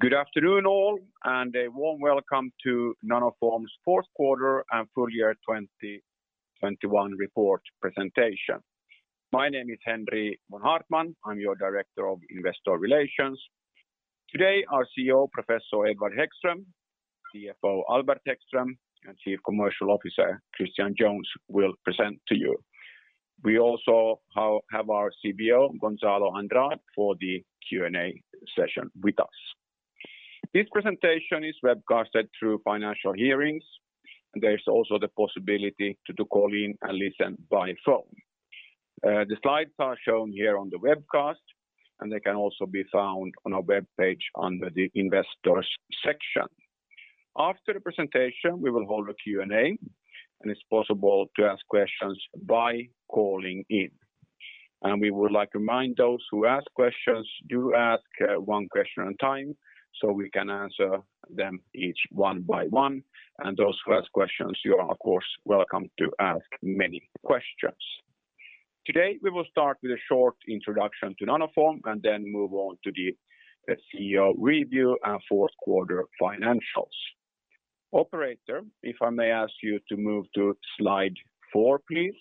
Good afternoon all, and a warm welcome to Nanoform's Q4 and full year 2021 report presentation. My name is Henri von Haartman. I'm your Director of Investor Relations. Today, our CEO, Professor Edward Hæggström, CFO Albert Hæggström, and Chief Commercial Officer Christian Jones will present to you. We also have our CBO, Gonçalo Andrade, for the Q&A session with us. This presentation is webcasted through Financial Hearings. There is also the possibility to call in and listen by phone. The slides are shown here on the webcast, and they can also be found on our webpage under the Investors section. After the presentation, we will hold a Q&A, and it's possible to ask questions by calling in. We would like to remind those who ask questions, do ask one question at a time, so we can answer them each one by one. Those who ask questions, you are, of course, welcome to ask many questions. Today, we will start with a short introduction to Nanoform and then move on to the CEO review and Q4 financials. Operator, if I may ask you to move to slide four, please.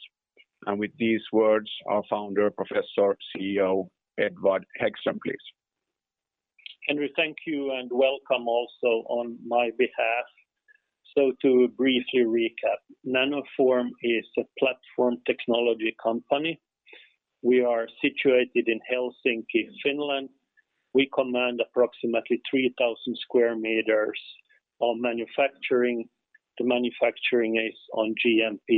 With these words, our founder, Professor CEO Edward Hæggström, please. Henri, thank you and welcome also on my behalf. To briefly recap, Nanoform is a platform technology company. We are situated in Helsinki, Finland. We command approximately 3,000 sq m of manufacturing. The manufacturing is on GMP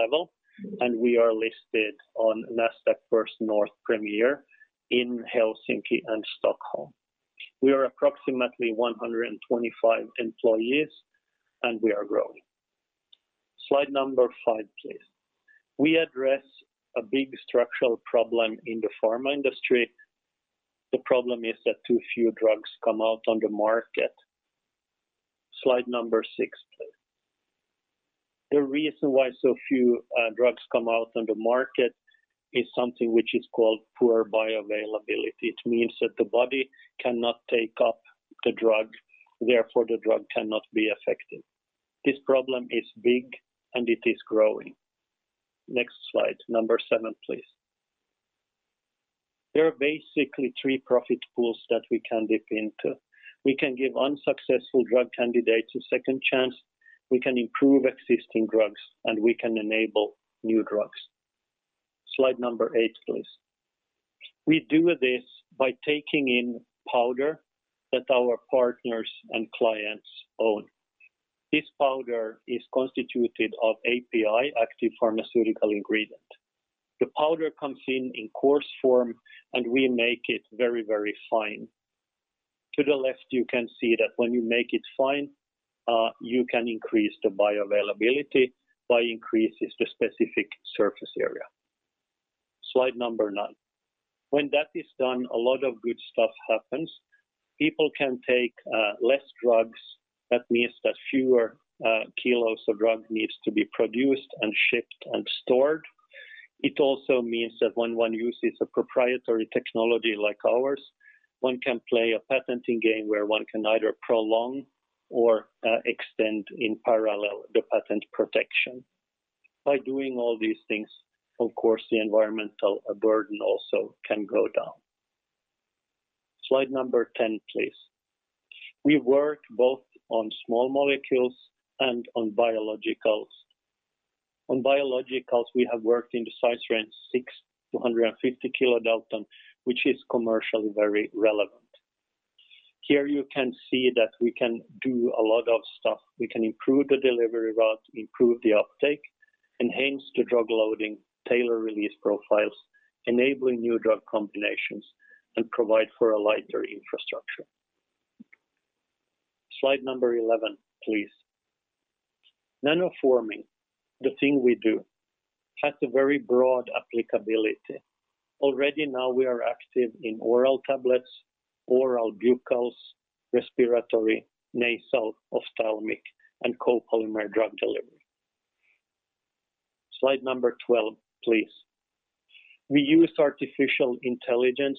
level, and we are listed on Nasdaq First North Premier in Helsinki and Stockholm. We are approximately 125 employees, and we are growing. Slide number five, please. We address a big structural problem in the pharma industry. The problem is that too few drugs come out on the market. Slide number six, please. The reason why so few drugs come out on the market is something which is called poor bioavailability. It means that the body cannot take up the drug, therefore, the drug cannot be effective. This problem is big, and it is growing. Next slide, number seven, please. There are basically three profit pools that we can dip into. We can give unsuccessful drug candidates a second chance, we can improve existing drugs, and we can enable new drugs. Slide number eight, please. We do this by taking in powder that our partners and clients own. This powder is constituted of API, active pharmaceutical ingredient. The powder comes in coarse form, and we make it very, very fine. To the left, you can see that when you make it fine, you can increase the bioavailability by increasing the specific surface area. Slide number nine. When that is done, a lot of good stuff happens. People can take less drugs. That means that fewer kilos of drug needs to be produced and shipped and stored. It also means that when one uses a proprietary technology like ours, one can play a patenting game where one can either prolong or extend in parallel the patent protection. By doing all these things, of course, the environmental burden also can go down. Slide number 10, please. We work both on small molecules and on biologicals. On biologicals, we have worked in the size range 6 kilodalton-650 kilodalton, which is commercially very relevant. Here you can see that we can do a lot of stuff. We can improve the delivery route, improve the uptake, enhance the drug loading, tailor release profiles, enabling new drug combinations, and provide for a lighter infrastructure. Slide number 11, please. Nanoforming, the thing we do, has a very broad applicability. Already now we are active in oral tablets, oral buccals, respiratory, nasal, ophthalmic, and copolymer drug delivery. Slide number 12, please. We use artificial intelligence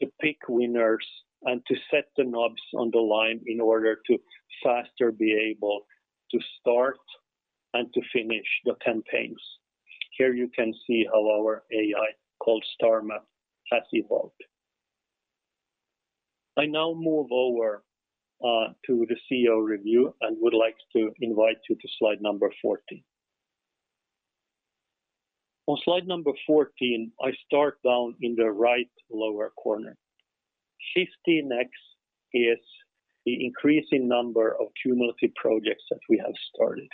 to pick winners and to set the knobs on the line in order to faster be able to start and to finish the campaigns. Here you can see how our AI called STARMAP has evolved. I now move over to the CEO review and would like to invite you to slide number 14. On slide number 14, I start down in the right lower corner. 15x is the increasing number of cumulative projects that we have started.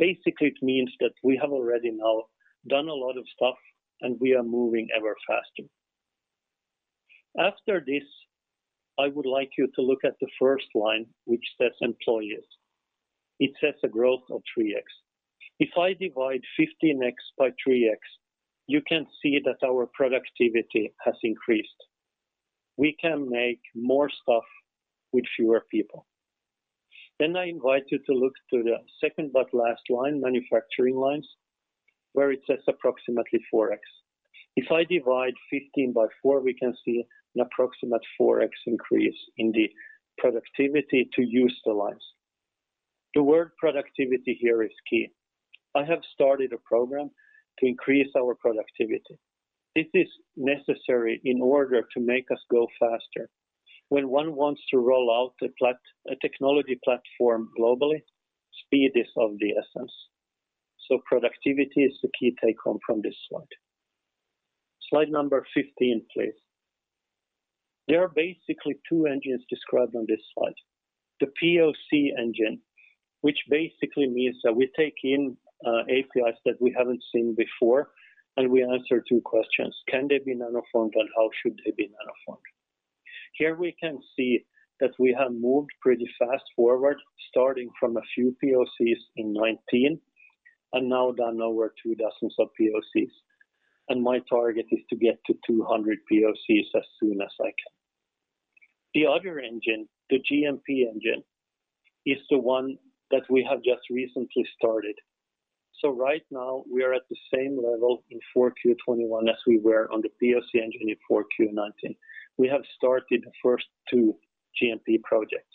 Basically, it means that we have already now done a lot of stuff, and we are moving ever faster. After this, I would like you to look at the first line, which says Employees. It says a growth of 3x. If I divide 15x by 3x, you can see that our productivity has increased. We can make more stuff with fewer people. I invite you to look to the second but last line, manufacturing lines, where it says approximately 4x. If I divide 15 by four, we can see an approximate 4x increase in the productivity to use the lines. The word productivity here is key. I have started a program to increase our productivity. This is necessary in order to make us go faster. When one wants to roll out a technology platform globally, speed is of the essence. Productivity is the key take home from this slide. Slide number 15, please. There are basically two engines described on this slide. The POC engine, which basically means that we take in, APIs that we haven't seen before, and we answer two questions. Can they be nanoformed, and how should they be nanoformed? Here we can see that we have moved pretty fast forward, starting from a few POCs in 2019, and now done over two dozen POCs. My target is to get to 200 POCs as soon as I can. The other engine, the GMP engine, is the one that we have just recently started. Right now, we are at the same level in 4Q 2021 as we were on the POC engine in 4Q 2019. We have started the first two GMP projects.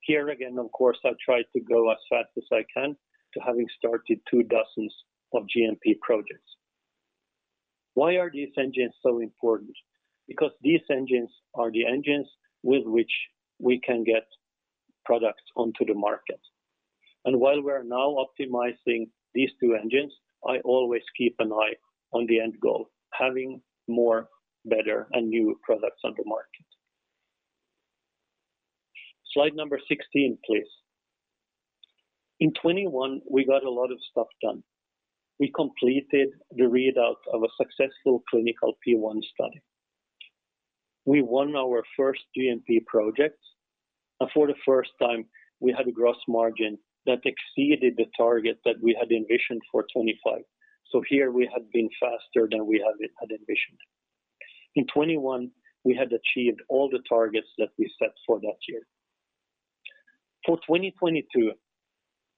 Here again, of course, I'll try to go as fast as I can to having started two dozen GMP projects. Why are these engines so important? Because these engines are the engines with which we can get products onto the market. While we're now optimizing these two engines, I always keep an eye on the end goal, having more, better and new products on the market. Slide number 16, please. In 2021 we got a lot of stuff done. We completed the readout of a successful clinical phase I study. We won our first GMP projects, and for the first time, we had a gross margin that exceeded the target that we had envisioned for 2025. Here we have been faster than we have had envisioned. In 2021 we had achieved all the targets that we set for that year. For 2022,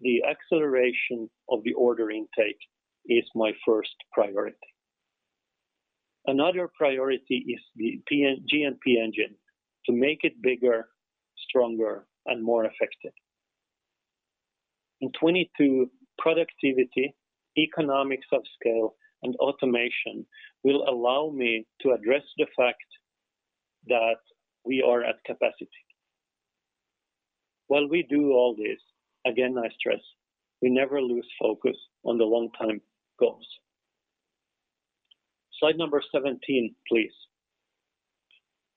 the acceleration of the order intake is my first priority. Another priority is the GMP engine to make it bigger, stronger and more effective. In 2022, productivity, economies of scale and automation will allow me to address the fact that we are at capacity. While we do all this, again, I stress we never lose focus on the long-term goals. Slide 17, please.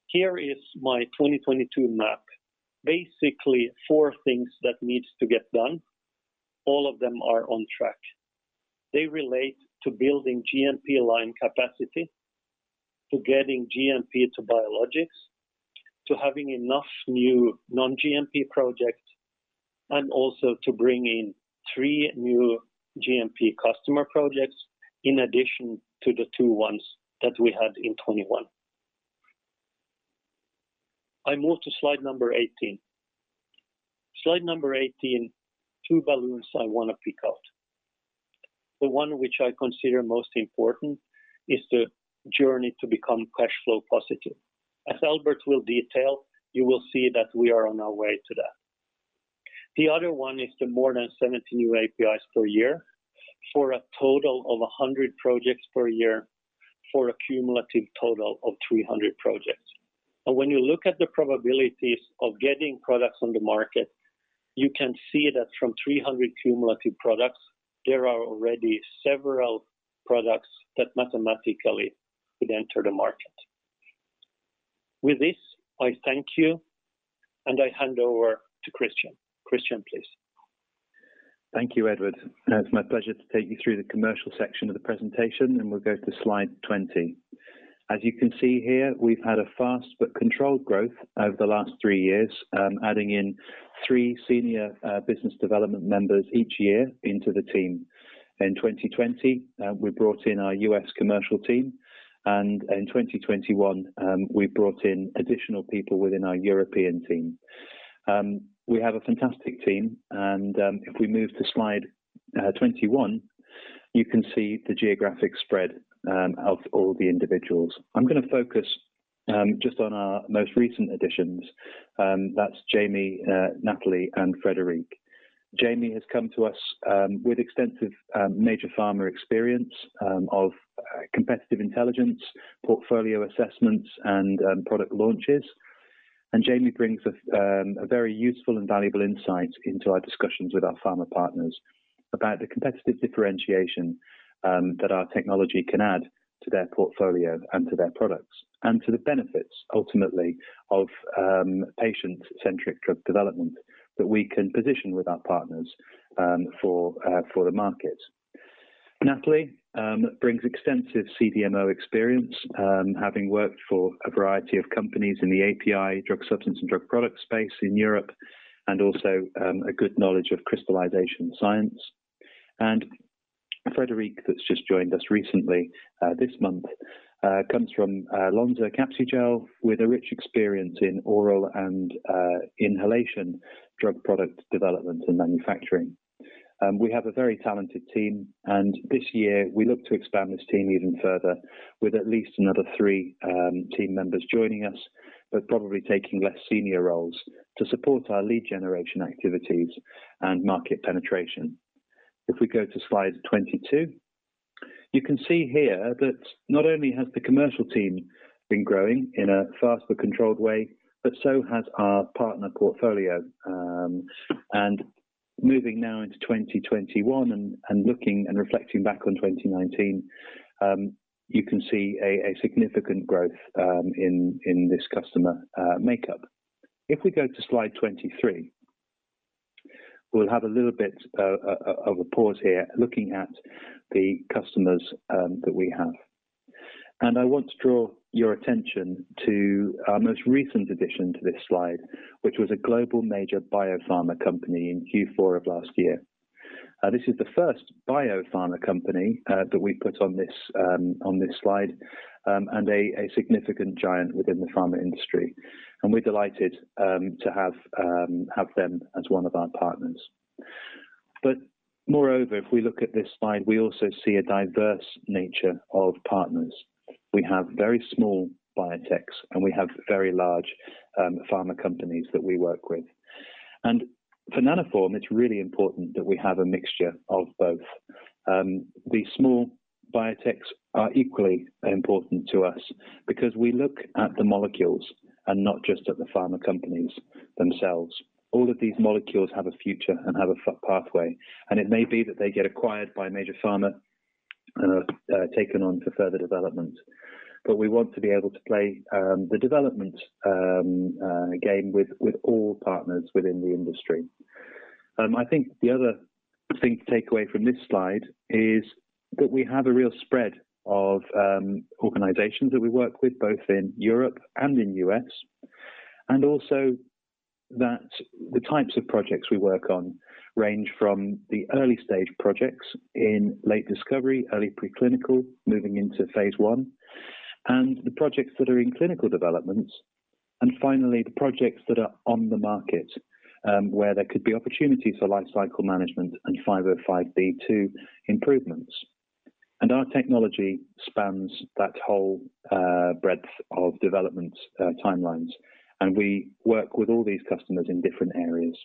Here is my 2022 map. Basically four things that needs to get done. All of them are on track. They relate to building GMP line capacity, to getting GMP to biologics, to having enough new non-GMP projects, and also to bring in three new GMP customer projects in addition to the two ones that we had in 2021. I move to slide 18. Slide 18, two values I wanna pick out. The one which I consider most important is the journey to become cash flow positive. As Albert will detail, you will see that we are on our way to that. The other one is the more than 70 new APIs per year, for a total of 100 projects per year, for a cumulative total of 300 projects. When you look at the probabilities of getting products on the market, you can see that from 300 cumulative products, there are already several products that mathematically would enter the market. With this, I thank you, and I hand over to Christian. Christian, please. Thank you, Edward. It's my pleasure to take you through the commercial section of the presentation, and we'll go to slide 20. As you can see here, we've had a fast but controlled growth over the last three years, adding in three senior business development members each year into the team. In 2020, we brought in our U.S. commercial team, and in 2021, we brought in additional people within our European team. We have a fantastic team and, if we move to slide 21, you can see the geographic spread of all the individuals. I'm gonna focus just on our most recent additions, that's Jamie, Natalie and Frederick. Jamie has come to us with extensive major pharma experience of competitive intelligence, portfolio assessments and product launches. Jamie brings a very useful and valuable insight into our discussions with our pharma partners about the competitive differentiation that our technology can add to their portfolio and to their products, and to the benefits ultimately of patient-centric drug development that we can position with our partners for the market. Natalie brings extensive CDMO experience having worked for a variety of companies in the API drug substance and drug product space in Europe, and also a good knowledge of crystallization science. Frederick, that's just joined us recently, this month, comes from Lonza Capsugel with a rich experience in oral and inhalation drug product development and manufacturing. We have a very talented team, and this year we look to expand this team even further with at least another three team members joining us, but probably taking less senior roles to support our lead generation activities and market penetration. If we go to slide 22, you can see here that not only has the commercial team been growing in a fast but controlled way, but so has our partner portfolio. Moving now into 2021 and looking and reflecting back on 2019, you can see a significant growth in this customer makeup. If we go to slide 23, we'll have a little bit of a pause here looking at the customers that we have. I want to draw your attention to our most recent addition to this slide, which was a global major biopharma company in Q4 of last year. This is the first biopharma company that we put on this slide, and a significant giant within the pharma industry. We're delighted to have them as one of our partners. Moreover, if we look at this slide, we also see a diverse nature of partners. We have very small biotechs, and we have very large pharma companies that we work with. For Nanoform, it's really important that we have a mixture of both. The small biotechs are equally important to us because we look at the molecules and not just at the pharma companies themselves. All of these molecules have a future and have a pathway, and it may be that they get acquired by a major pharma and are taken on for further development. We want to be able to play the development game with all partners within the industry. I think the other thing to take away from this slide is that we have a real spread of organizations that we work with both in Europe and in U.S., and also that the types of projects we work on range from the early stage projects in late discovery, early preclinical, moving into phase I, and the projects that are in clinical developments, and finally, the projects that are on the market, where there could be opportunities for lifecycle management and 505(b)(2) improvements. Our technology spans that whole breadth of development timelines. We work with all these customers in different areas.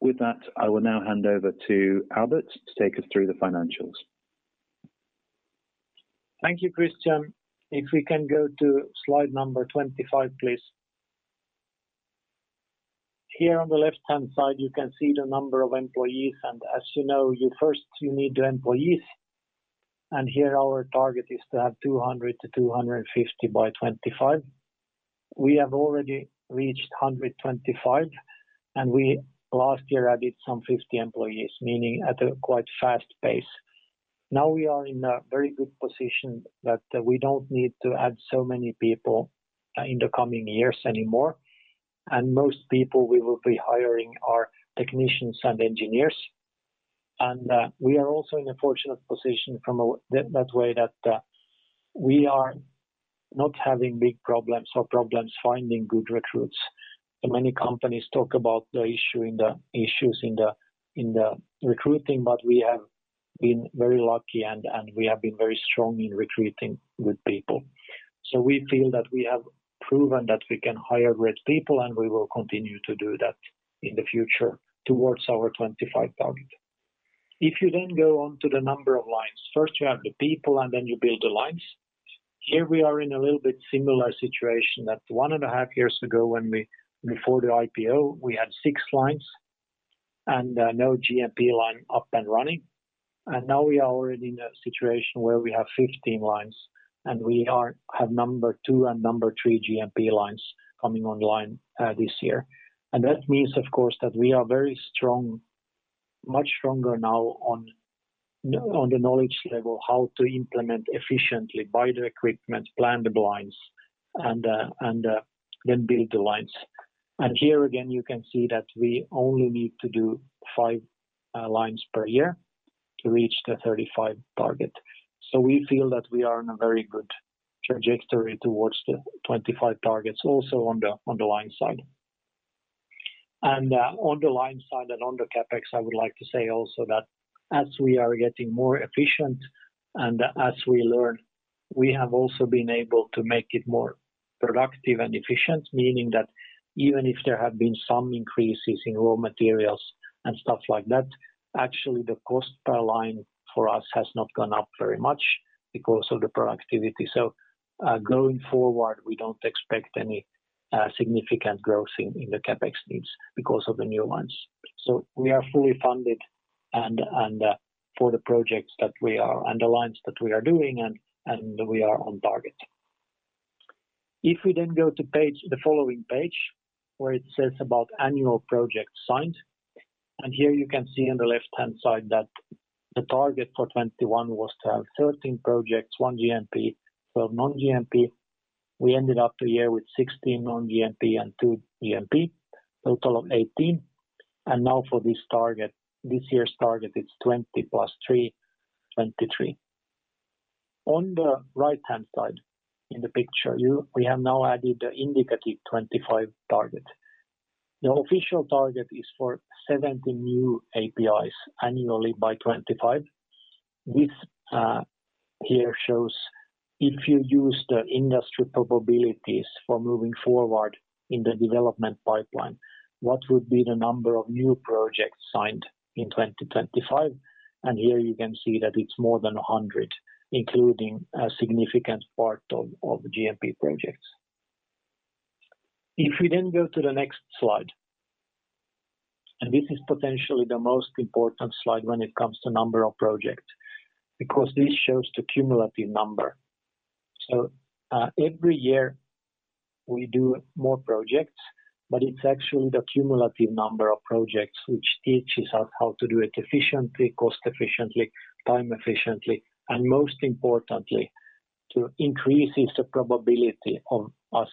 With that, I will now hand over to Albert to take us through the financials. Thank you, Christian. If we can go to slide number 25, please. Here on the left-hand side, you can see the number of employees. As you know, you first need the employees. Here our target is to have 200-250 by 2025. We have already reached 125, and we last year added some 50 employees, meaning at a quite fast pace. Now we are in a very good position that we don't need to add so many people in the coming years anymore. Most people we will be hiring are technicians and engineers. We are also in a fortunate position that we are not having big problems or problems finding good recruits. Many companies talk about issues in the recruiting, but we have been very lucky and we have been very strong in recruiting good people. We feel that we have proven that we can hire great people, and we will continue to do that in the future towards our 25 target. If you then go on to the number of lines. First you have the people, and then you build the lines. Here we are in a little bit similar situation that one and a half years ago before the IPO, we had six lines and no GMP line up and running. Now we are already in a situation where we have 15 lines, and we have number two and number three GMP lines coming online this year. That means, of course, that we are very strong, much stronger now on the knowledge level, how to implement efficiently, buy the equipment, plan the lines, and then build the lines. Here again you can see that we only need to do five lines per year to reach the 35 target. We feel that we are in a very good trajectory towards the 25 targets also on the line side. On the line side and on the CapEx, I would like to say also that as we are getting more efficient and as we learn, we have also been able to make it more productive and efficient. Meaning that even if there have been some increases in raw materials and stuff like that, actually the cost per line for us has not gone up very much because of the productivity. Going forward, we don't expect any significant growth in the CapEx needs because of the new lines. We are fully funded for the projects and the lines that we are doing and we are on target. If we then go to the following page where it says about annual projects signed. Here you can see on the left-hand side that the target for 2021 was to have 13 projects, one GMP, 12 non-GMP. We ended up the year with 16 non-GMP and two GMP, total of 18. Now for this target, this year's target, it's 20+3, 23. On the right-hand side in the picture, we have now added the indicative 25 target. The official target is for 70 new APIs annually by 25. This here shows if you use the industry probabilities for moving forward in the development pipeline, what would be the number of new projects signed in 2025? Here you can see that it's more than 100, including a significant part of GMP projects. If we then go to the next slide, this is potentially the most important slide when it comes to number of projects, because this shows the cumulative number. Every year we do more projects, but it's actually the cumulative number of projects which teaches us how to do it efficiently, cost efficiently, time efficiently, and most importantly, to increasing the probability of us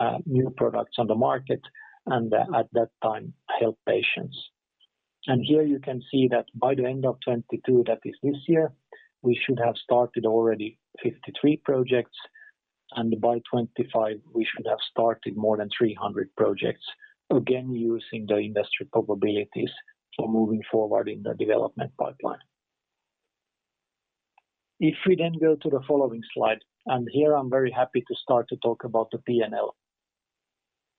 getting new products on the market, and at that time help patients. Here you can see that by the end of 2022, that is this year, we should have started already 53 projects, and by 2025 we should have started more than 300 projects, again using the industry probabilities for moving forward in the development pipeline. If we then go to the following slide, and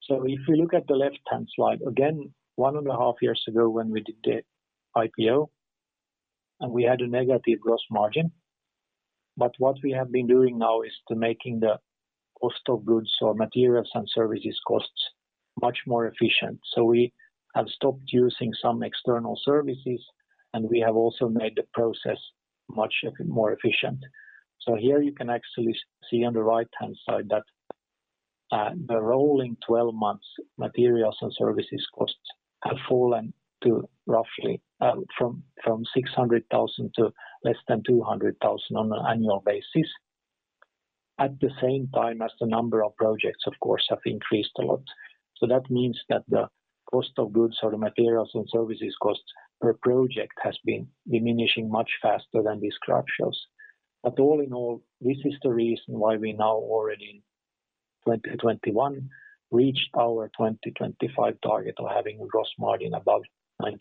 here I'm very happy to start to talk about the P&L. If you look at the left-hand slide, again, one and a half years ago when we did the IPO and we had a negative gross margin. What we have been doing now is to making the cost of goods or materials and services costs much more efficient. We have stopped using some external services, and we have also made the process much more efficient. Here you can actually see on the right-hand side that the rolling 12 months materials and services costs have fallen to roughly from 600,000 to less than 200,000 on an annual basis. At the same time as the number of projects, of course, have increased a lot. That means that the cost of goods or the materials and services costs per project has been diminishing much faster than this graph shows. All in all, this is the reason why we now already in 2021 reached our 2025 target of having a gross margin above 90%.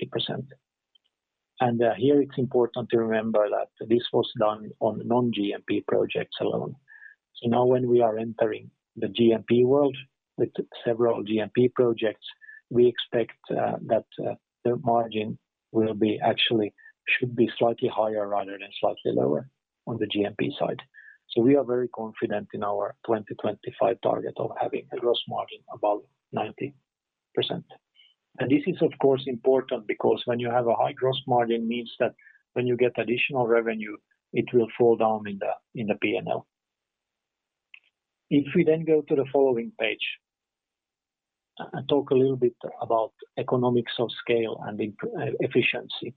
Here it's important to remember that this was done on non-GMP projects alone. Now when we are entering the GMP world with several GMP projects, we expect that the margin will be actually should be slightly higher rather than slightly lower on the GMP side. We are very confident in our 2025 target of having a gross margin above 90%. This is of course important because when you have a high gross margin means that when you get additional revenue, it will fall down in the P&L. If we then go to the following page and talk a little bit about economies of scale and efficiency.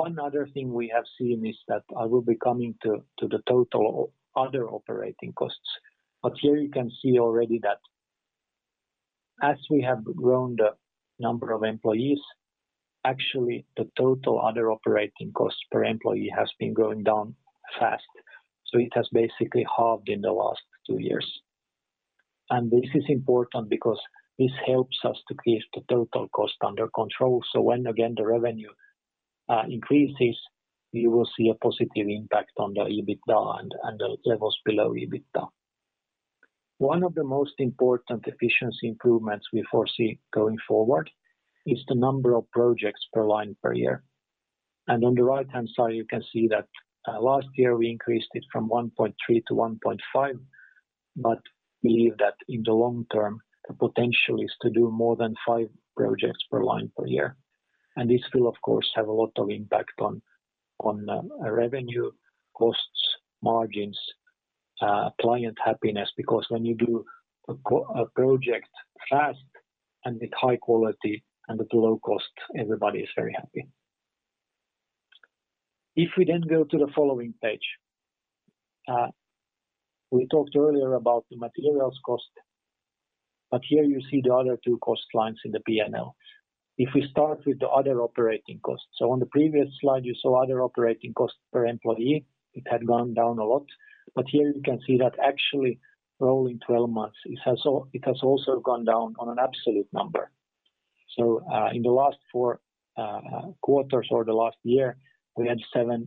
One other thing we have seen is that I will be coming to the total other operating costs. Here you can see already that as we have grown the number of employees, actually the total other operating costs per employee has been going down fast. It has basically halved in the last two years. This is important because this helps us to keep the total cost under control. When again the revenue increases, you will see a positive impact on the EBITDA and the levels below EBITDA. One of the most important efficiency improvements we foresee going forward is the number of projects per line per year. On the right-hand side, you can see that last year we increased it from 1.3-1.5. We believe that in the long term, the potential is to do more than five projects per line per year. This will of course have a lot of impact on revenue, costs, margins, client happiness, because when you do a project fast and with high quality and at low cost, everybody is very happy. If we go to the following page. We talked earlier about the materials cost, but here you see the other two cost lines in the P&L. If we start with the other operating costs. On the previous slide, you saw other operating costs per employee. It had gone down a lot. Here you can see that actually rolling 12 months it has also gone down on an absolute number. In the last four quarters or the last year, we had 5.7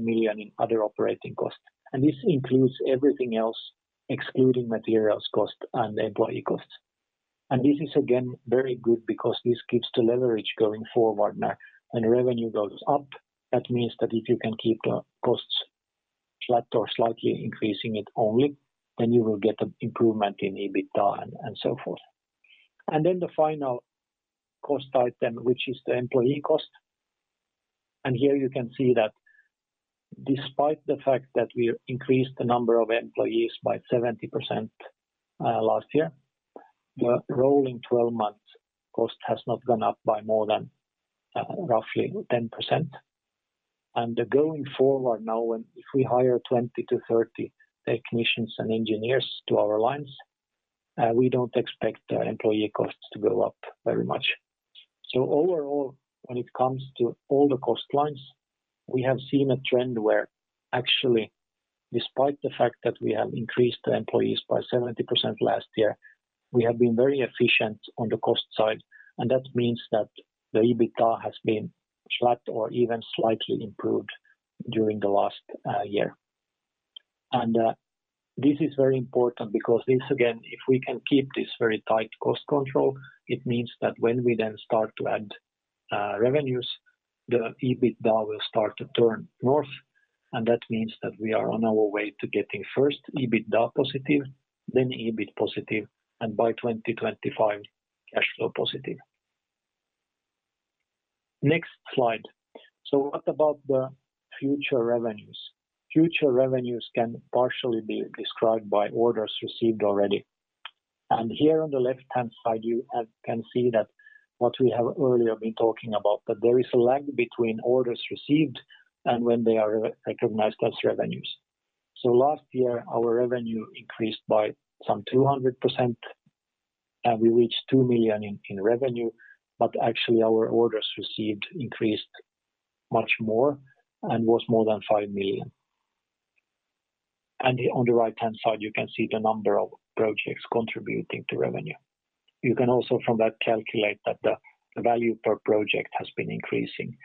million in other operating costs. This includes everything else excluding materials cost and employee costs. This is again very good because this keeps the leverage going forward now. When revenue goes up, that means that if you can keep the costs flat or slightly increasing it only, then you will get an improvement in EBITDA and so forth. Then the final cost item, which is the employee cost. Here you can see that despite the fact that we increased the number of employees by 70%, last year. The rolling 12 months cost has not gone up by more than, roughly 10%. Going forward now if we hire 20-30 technicians and engineers to our lines, we don't expect employee costs to go up very much. Overall, when it comes to all the cost lines, we have seen a trend where actually, despite the fact that we have increased the employees by 70% last year, we have been very efficient on the cost side, and that means that the EBITDA has been flat or even slightly improved during the last year. This is very important because this again, if we can keep this very tight cost control, it means that when we then start to add revenues, the EBITDA will start to turn north, and that means that we are on our way to getting first EBITDA positive, then EBIT positive, and by 2025, cash flow positive. Next slide. What about the future revenues? Future revenues can partially be described by orders received already. Here on the left-hand side, you can see that what we have earlier been talking about, that there is a lag between orders received and when they are re-recognized as revenues. Last year, our revenue increased by some 200%, and we reached 2 million in revenue, but actually our orders received increased much more and was more than 5 million. Here on the right-hand side, you can see the number of projects contributing to revenue. You can also from that calculate that the value per project has been increasing.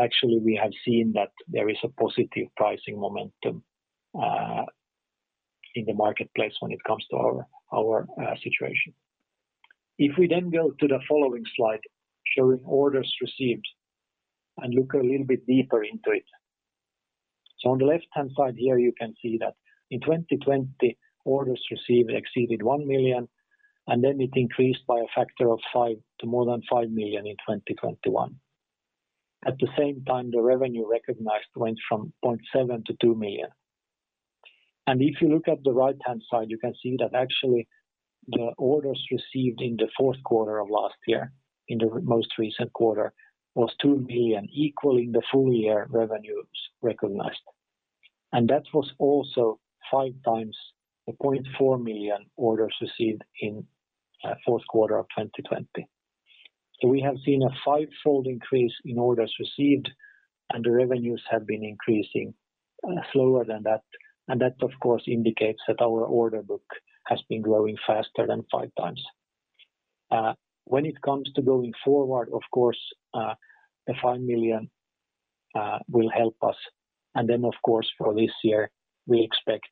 Actually, we have seen that there is a positive pricing momentum in the marketplace when it comes to our situation. If we then go to the following slide showing orders received and look a little bit deeper into it. On the left-hand side here, you can see that in 2020, orders received exceeded 1 million, and then it increased by a factor of five to more than 5 million in 2021. At the same time, the revenue recognized went from 0.7 million to 2 million. If you look at the right-hand side, you can see that actually the orders received in the Q4 of last year, in the most recent quarter, was 2 million, equaling the full-year revenues recognized. That was also 5x the 0.4 million orders received in Q4 of 2020. We have seen a five-fold increase in orders received, and the revenues have been increasing slower than that. That, of course, indicates that our order book has been growing faster than 5x. When it comes to going forward, of course, the 5 million will help us. Of course, for this year, we expect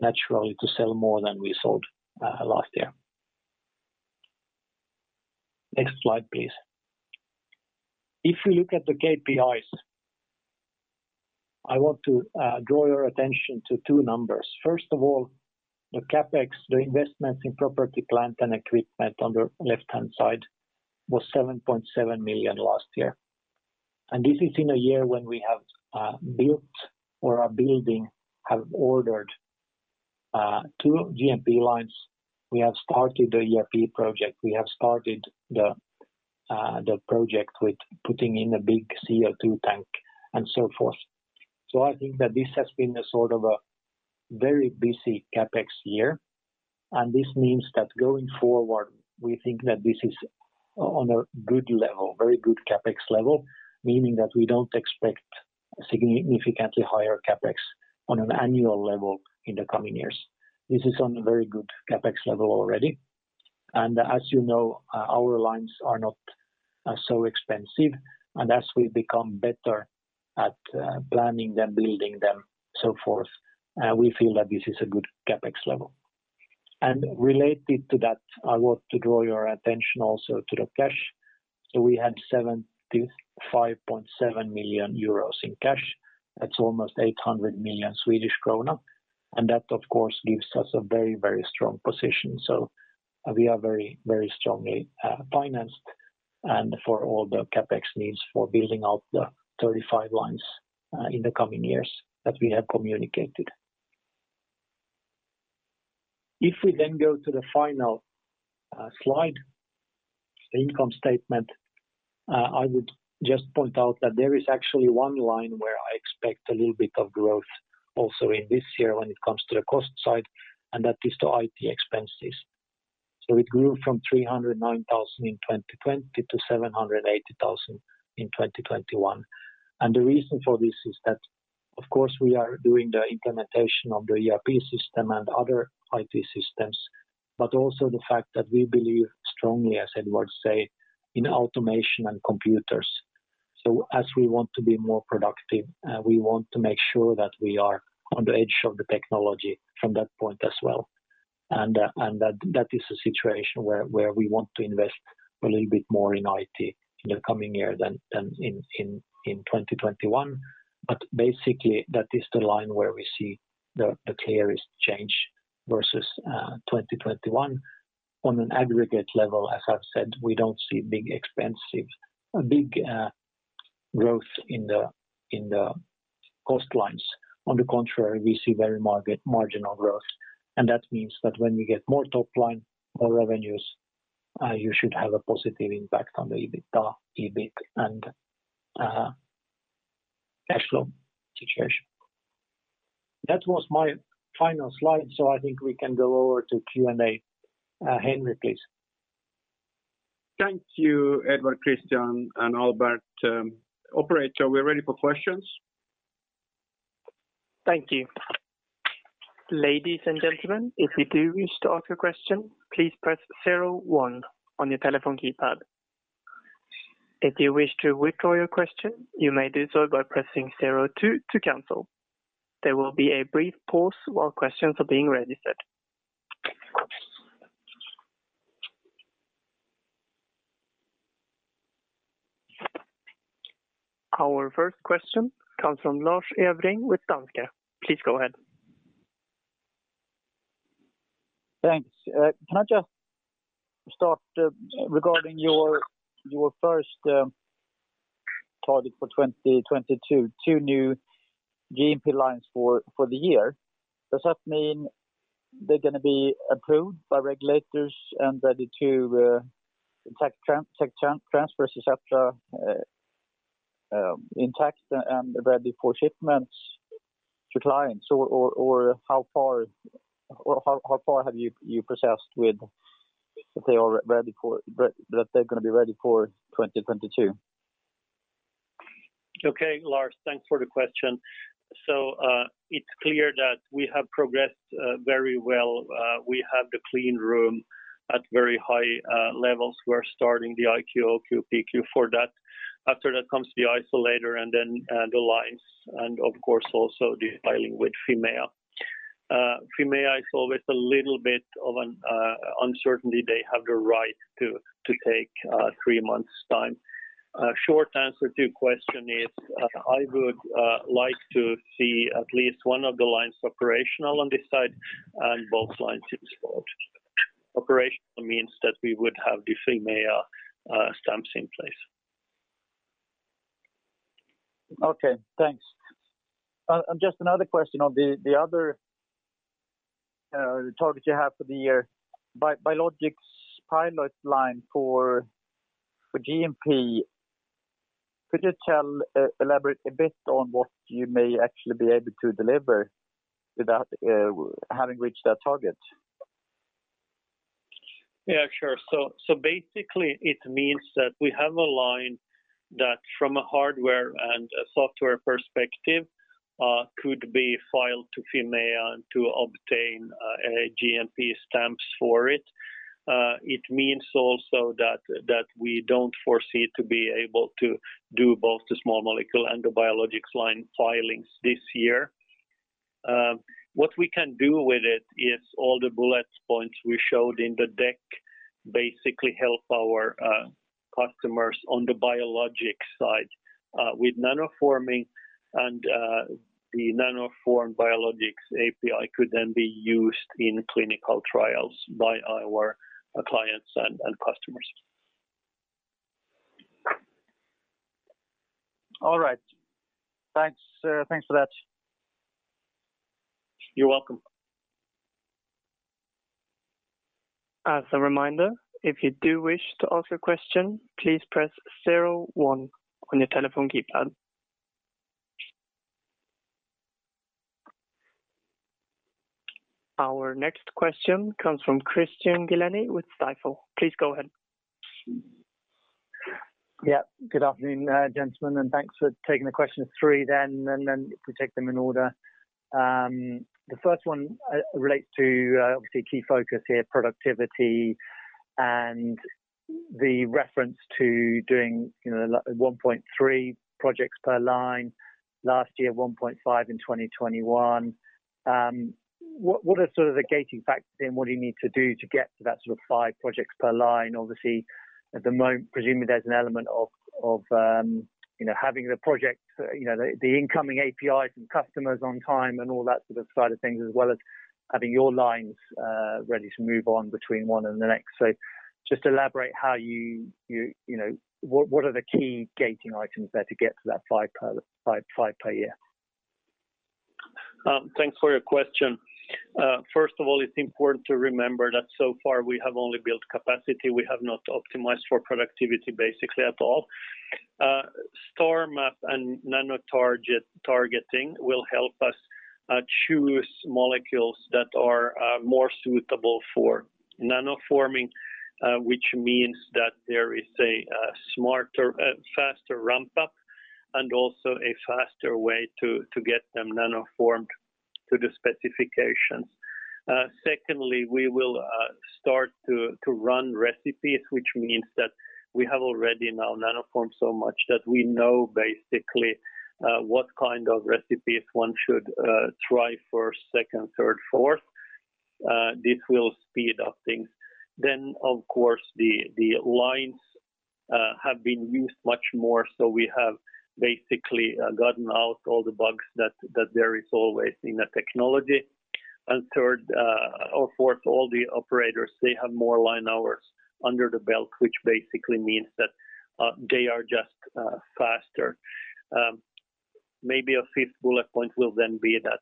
naturally to sell more than we sold last year. Next slide, please. If we look at the KPIs, I want to draw your attention to two numbers. First of all, the CapEx, the investments in property, plant, and equipment on the left-hand side was 7.7 million last year. This is in a year when we have built or are building, have ordered two GMP lines. We have started the ERP project. We have started the project with putting in a big CO2 tank and so forth. I think that this has been a sort of a very busy CapEx year. This means that going forward, we think that this is on a good level, very good CapEx level, meaning that we don't expect a significantly higher CapEx on an annual level in the coming years. This is on a very good CapEx level already. As you know, our lines are not so expensive. As we become better at planning them, building them, so forth, we feel that this is a good CapEx level. Related to that, I want to draw your attention also to the cash. We had 75.7 million euros in cash. That's almost 800 million Swedish krona. That, of course, gives us a very, very strong position. We are very strongly financed and for all the CapEx needs for building out the 35 lines in the coming years that we have communicated. If we then go to the final slide, the income statement, I would just point out that there is actually one line where I expect a little bit of growth also in this year when it comes to the cost side, and that is the IT expenses. It grew from 309,000 in 2020 to 780,000 in 2021. The reason for this is that, of course, we are doing the implementation of the ERP system and other IT systems, but also the fact that we believe strongly, as Edward say, in automation and computers. As we want to be more productive, we want to make sure that we are on the edge of the technology from that point as well. That is a situation where we want to invest a little bit more in IT in the coming year than in 2021. Basically, that is the line where we see the clearest change versus 2021. On an aggregate level, as I've said, we don't see a big growth in the cost lines. On the contrary, we see very marginal growth, and that means that when we get more top line or revenues, you should have a positive impact on the EBITDA, EBIT and cash flow situation. That was my final slide, so I think we can go over to Q&A. Henri, please. Thank you, Edward, Christian and Albert. Operator, we're ready for questions. Thank you. Ladies and gentlemen, if you do wish to ask a question, please press zero one on your telephone keypad. If you wish to withdraw your question, you may do so by pressing zero two to cancel. There will be a brief pause while questions are being registered. Our first question comes from Lars Hevreng with Danske. Please go ahead. Thanks. Can I just start regarding your first target for 2022, two new GMP lines for the year. Does that mean they're gonna be approved by regulators and ready to tech transfers, et cetera, intact and ready for shipments to clients? Or how far have you progressed with that they're gonna be ready for 2022? Okay. Lars, thanks for the question. It's clear that we have progressed very well. We have the cleanroom at very high levels. We're starting the IQ, OQ, PQ for that. After that comes the isolator and then the lines and of course also the filing with Fimea. Fimea is always a little bit of an uncertainty. They have the right to take three months' time. Short answer to your question is, I would like to see at least one of the lines operational on this side and both lines installed. Operational means that we would have the Fimea stamps in place. Okay, thanks. Just another question on the other target you have for the year, biologics pilot line for GMP. Could you elaborate a bit on what you may actually be able to deliver without having reached that target? Yeah, sure. Basically it means that we have a line that from a hardware and a software perspective could be filed to Fimea and to obtain GMP stamps for it. It means also that we don't foresee to be able to do both the small molecule and the biologics line filings this year. What we can do with it is all the bullet points we showed in the deck basically help our customers on the biologics side with nanoforming and the Nanoform biologics API could then be used in clinical trials by our clients and customers. All right. Thanks. Thanks for that. You're welcome. As a reminder, if you do wish to ask a question, please press zero one on your telephone keypad. Our next question comes from Christian Glennie with Stifel. Please go ahead. Yeah. Good afternoon, gentlemen, and thanks for taking the questions, three then, and then if we take them in order. The first one relates to obviously key focus here, productivity and the reference to doing, you know, 1.3 projects per line last year, 1.5 in 2021. What are sort of the gating factors and what do you need to do to get to that sort of five projects per line? Obviously, at the moment, presumably there's an element of you know, having the project, you know, the incoming APIs and customers on time and all that sort of side of things, as well as having your lines ready to move on between one and the next. Just elaborate how you know. What are the key gating items there to get to that five per year? Thanks for your question. First of all, it's important to remember that so far we have only built capacity. We have not optimized for productivity basically at all. STARMAP and nano targeting will help us choose molecules that are more suitable for nanoforming, which means that there is a smarter, faster ramp up and also a faster way to get them nanoformed to the specifications. Secondly, we will start to run recipes, which means that we have already now nanoformed so much that we know basically what kind of recipes one should try first, second, third, fourth. This will speed up things. Of course, the lines have been used much more, so we have basically gotten out all the bugs that there is always in the technology. Third, or fourth, all the operators, they have more line hours under the belt, which basically means that they are just faster. Maybe a fifth bullet point will then be that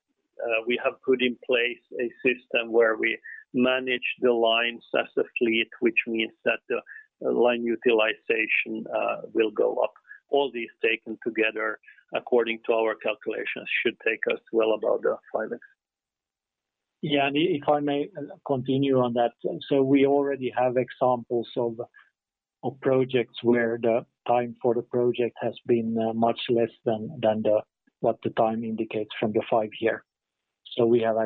we have put in place a system where we manage the lines as a fleet, which means that the line utilization will go up. All these taken together, according to our calculations, should take us well above the 5x. Yeah. If I may continue on that. We already have examples of projects where the time for the project has been much less than what the time indicates from the five-year. We have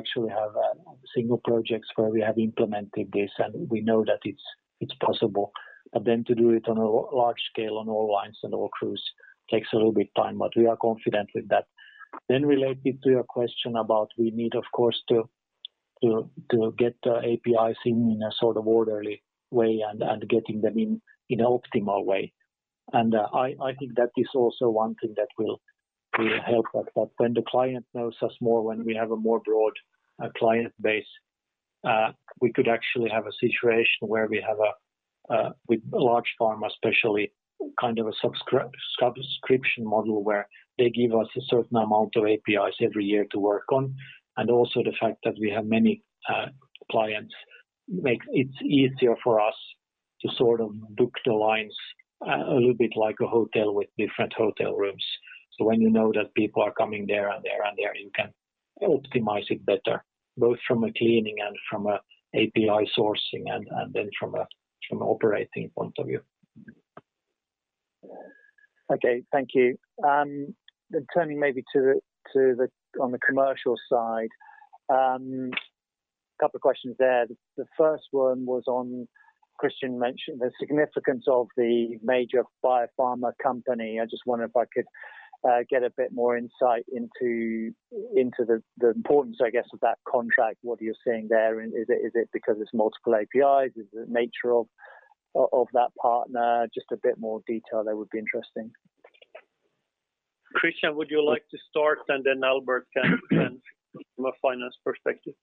single projects where we have implemented this, and we know that it's possible. To do it on a large scale on all lines and all crews takes a little bit time, but we are confident with that. Related to your question about we need, of course, to get APIs in a sort of orderly way and getting them in an optimal way. I think that is also one thing that will help us. When the client knows us more, when we have a more broad client base, we could actually have a situation where we have a with large pharma especially, kind of a subscription model where they give us a certain amount of APIs every year to work on. Also the fact that we have many clients makes it easier for us to sort of book the lines a little bit like a hotel with different hotel rooms. When you know that people are coming there and there and there, you can optimize it better, both from a cleaning and from a API sourcing and then from a operating point of view. Okay. Thank you. Turning maybe to the commercial side, couple of questions there. The first one was on what Christian mentioned the significance of the major biopharma company. I just wonder if I could get a bit more insight into the importance, I guess, of that contract. What you're seeing there, and is it because it's multiple APIs? Is it the nature of that partner? Just a bit more detail there would be interesting. Christian, would you like to start and then Albert can from a finance perspective?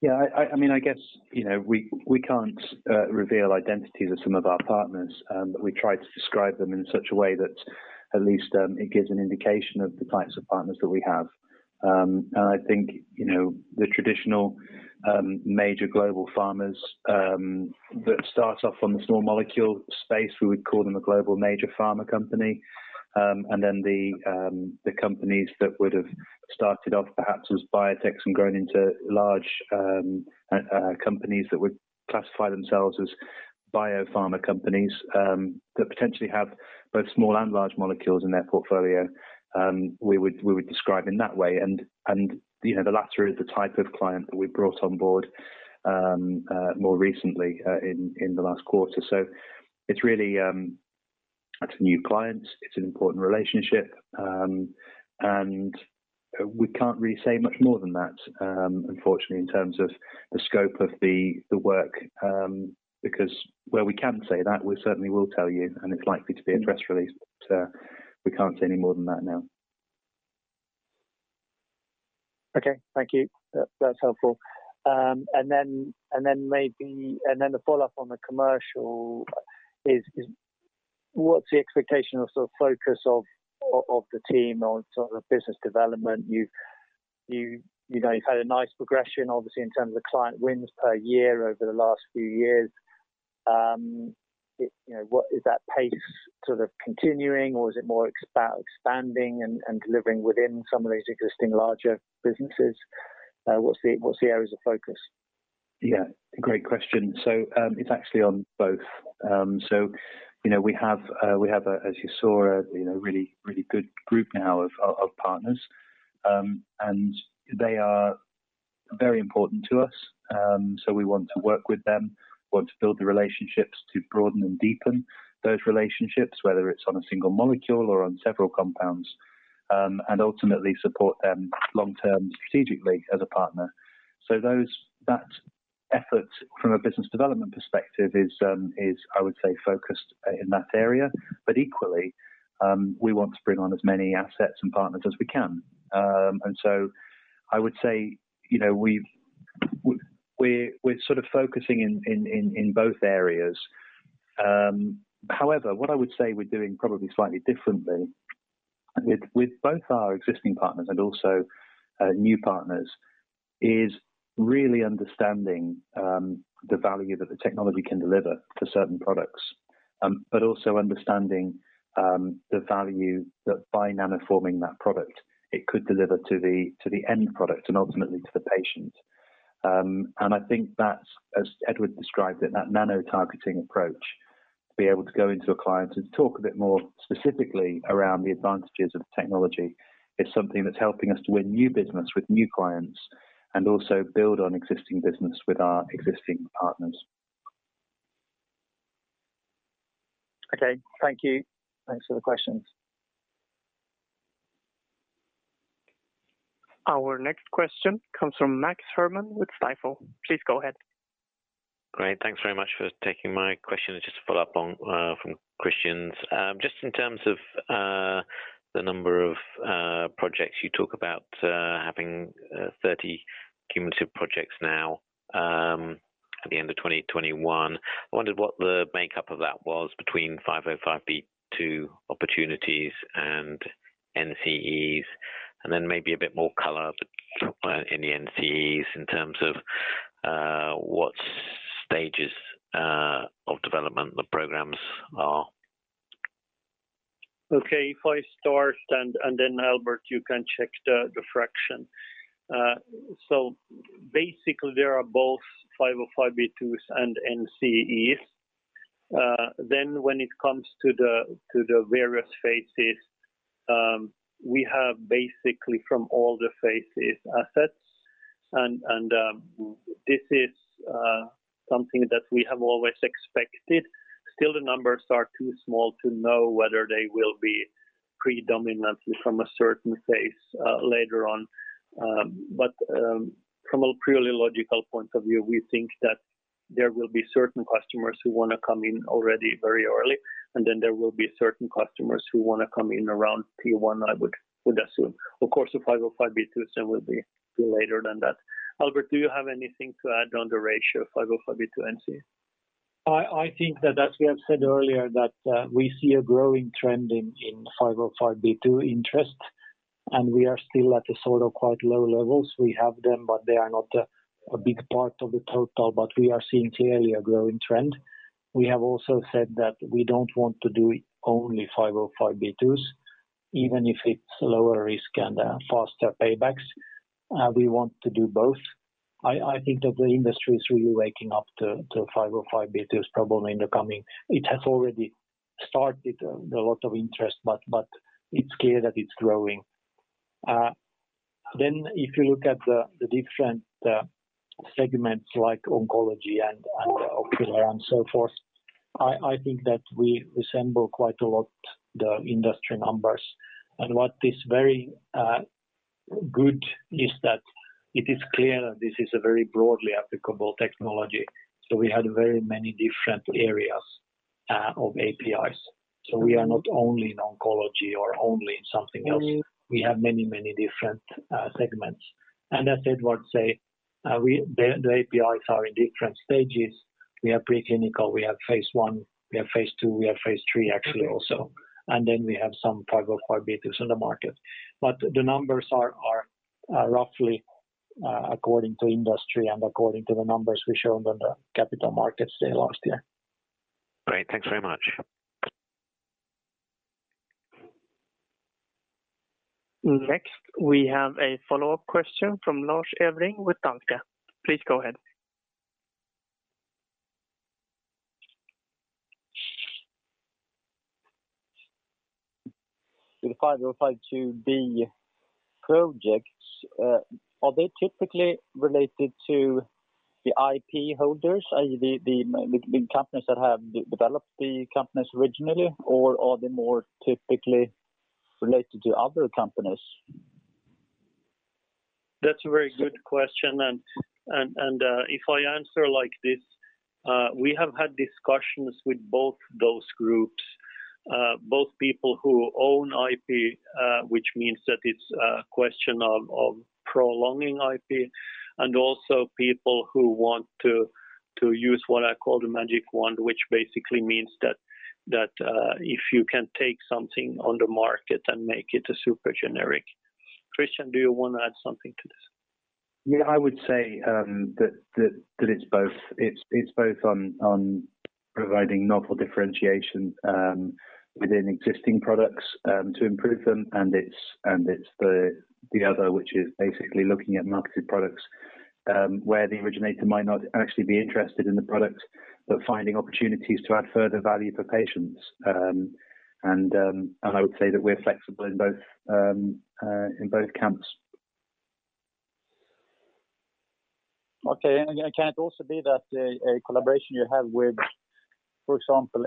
Yeah. I mean, I guess, you know, we can't reveal identities of some of our partners, but we try to describe them in such a way that at least it gives an indication of the types of partners that we have. I think, you know, the traditional major global pharmas that start off in the small molecule space, we would call them a global major pharma company. Then the companies that would have started off perhaps as biotechs and grown into large companies that would classify themselves as biopharma companies that potentially have both small and large molecules in their portfolio, we would describe in that way. You know, the latter is the type of client that we've brought on board more recently in the last quarter. It's really new clients, it's an important relationship, and we can't really say much more than that, unfortunately, in terms of the scope of the work, because whenever we can say that we certainly will tell you, and it's likely to be a press release. We can't say any more than that now. Okay. Thank you. That's helpful. The follow-up on the commercial is what's the expectation or sort of focus of the team on sort of business development? You know, you've had a nice progression, obviously, in terms of the client wins per year over the last few years. You know, what is that pace sort of continuing or is it more about expanding and delivering within some of these existing larger businesses? What's the areas of focus? Yeah, great question. It's actually on both. You know, we have, as you saw, you know, really good group now of partners. They are very important to us. We want to work with them. We want to build the relationships to broaden and deepen those relationships, whether it's on a single molecule or on several compounds, and ultimately support them long-term strategically as a partner. That effort from a business development perspective is, I would say, focused in that area. Equally, we want to bring on as many assets and partners as we can. I would say, you know, we're sort of focusing in both areas. However, what I would say we're doing probably slightly differently with both our existing partners and also new partners is really understanding the value that the technology can deliver to certain products. Also understanding the value that by nanoforming that product it could deliver to the end product and ultimately to the patient. I think that's, as Edward described it, that nanotargeting approach to be able to go into a client and talk a bit more specifically around the advantages of the technology is something that's helping us to win new business with new clients and also build on existing business with our existing partners. Okay. Thank you. Thanks for the questions. Our next question comes from Max Herrmann with Stifel. Please go ahead. Great. Thanks very much for taking my question. Just to follow up on from Christian's. Just in terms of the number of projects you talk about having 30 cumulative projects now at the end of 2021. I wondered what the makeup of that was between 505(b)(2) opportunities and NCEs, and then maybe a bit more color in the NCEs in terms of what stages of development the programs are. Okay. If I start and then Albert, you can check the fraction. So basically, there are both 505(b)(2)s and NCEs. Then when it comes to the various phases, we have basically assets from all the phases, and this is something that we have always expected. Still, the numbers are too small to know whether they will be predominantly from a certain phase later on. But from a purely logical point of view, we think that there will be certain customers who wanna come in already very early, and then there will be certain customers who wanna come in around phase I would assume. Of course, the 505(b)(2)s then will be later than that. Albert, do you have anything to add on the ratio of 505(b)(2) to NCE? I think that as we have said earlier that we see a growing trend in 505(b)(2) interest, and we are still at a sort of quite low levels. We have them, but they are not a big part of the total. We are seeing clearly a growing trend. We have also said that we don't want to do only 505(b)(2)s, even if it's lower risk and faster paybacks. We want to do both. I think that the industry is really waking up to 505(b)(2)s probably in the coming. It has already started a lot of interest, but it's clear that it's growing. If you look at the different segments like oncology and ocular and so forth, I think that we resemble quite a lot the industry numbers. What is very good is that it is clear that this is a very broadly applicable technology. We have very many different areas of APIs. We are not only in oncology or only in something else. We have many different segments. As Edward say, the APIs are in different stages. We have preclinical, we have phase I, we have phase II, we have phase III actually also. Then we have some 505(b)(2)s in the market. The numbers are roughly according to industry and according to the numbers we showed on the Capital Markets Day last year. Great. Thanks very much. Next, we have a follow-up question from Lars Hevreng with Danske. Please go ahead. With the 505(b)(2) projects, are they typically related to the IP holders, i.e., the companies that have developed the compounds originally, or are they more typically related to other companies? That's a very good question. If I answer like this, we have had discussions with both those groups. Both people who own IP, which means that it's a question of prolonging IP, and also people who want to use what I call the magic wand, which basically means that if you can take something on the market and make it a super generic. Christian, do you wanna add something to this? Yeah, I would say that it's both. It's both on providing novel differentiation within existing products to improve them, and it's the other, which is basically looking at marketed products where the originator might not actually be interested in the product, but finding opportunities to add further value for patients. I would say that we're flexible in both camps. Okay. Can it also be that a collaboration you have with, for example,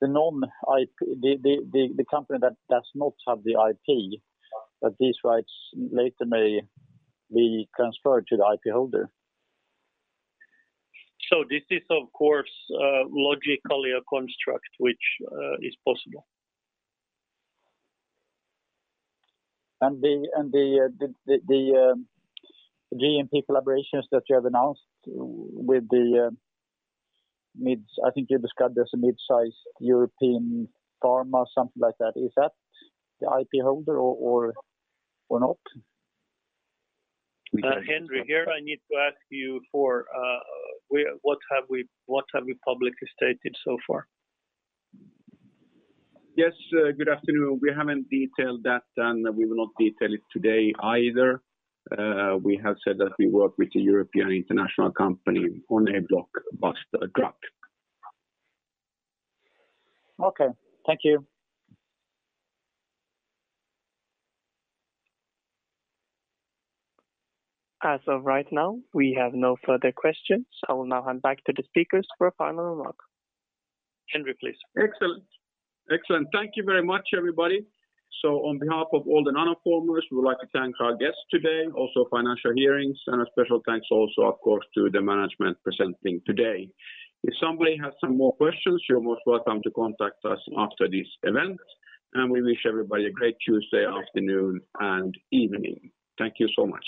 the non IP company that does not have the IP, that these rights later may be transferred to the IP holder? This is, of course, logically a construct which is possible. The GMP collaborations that you have announced with the mid-size European pharma, something like that. Is that the IP holder or not? Henri, here I need to ask you for what have we publicly stated so far? Yes. Good afternoon. We haven't detailed that, and we will not detail it today either. We have said that we work with a European international company on a blockbuster drug. Okay. Thank you. As of right now, we have no further questions. I will now hand back to the speakers for a final remark. Henri, please. Excellent. Thank you very much, everybody. On behalf of all the Nanoformers, we would like to thank our guests today, also Financial Hearings, and a special thanks also, of course, to the management presenting today. If somebody has some more questions, you're most welcome to contact us after this event. We wish everybody a great Tuesday afternoon and evening. Thank you so much.